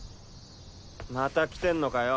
また来てんのかよ。